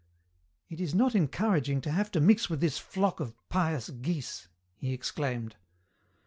" It is not encouraging to have to mix with this flock oi pious geese," he exclaimed.